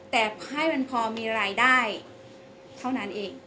แต่ให้มันพอมีรายได้เท่านั้นเอง